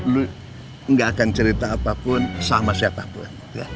lu gak akan cerita apapun sama siapapun